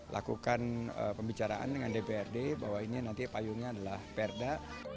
lakukan pembicaraan dengan dprd bahwa ini nanti payungnya adalah perda